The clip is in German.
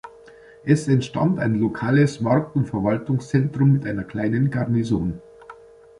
Es entstand ein lokales Markt- und Verwaltungszentrum mit einer kleinen Garnison.